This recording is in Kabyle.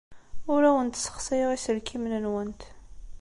Ur awent-ssexsayeɣ iselkimen-nwent.